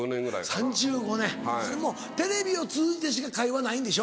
３５年もうテレビを通じてしか会話ないんでしょ？